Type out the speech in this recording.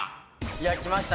いやきましたね。